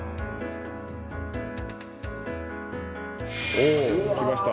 おおっきました！